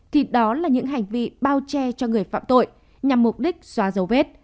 thì đó là những hành vi bao che cho người phạm tội nhằm mục đích xóa dấu vết